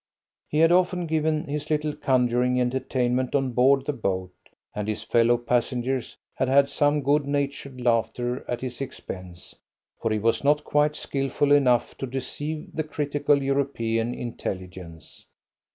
He had often given his little conjuring entertainment on board the boat, and his fellow passengers had had some good natured laughter at his expense, for he was not quite skilful enough to deceive the critical European intelligence.